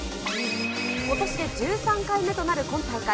ことしで１３回目となる今大会。